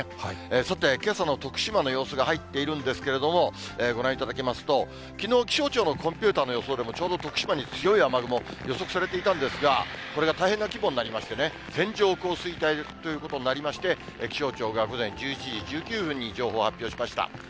さて、けさの徳島の様子が入っているんですけれども、ご覧いただきますと、きのう、気象庁のコンピューターの予想でもちょうど徳島に強い雨雲、予測されていたんですが、これが大変な規模になりましてね、線状降水帯ということになりまして、気象庁が午前１１時１９分に情報を発表しました。